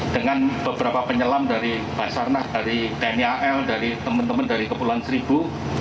dengan beberapa penyelam dari basarnas dari tni al dari teman teman dari kepulauan seribu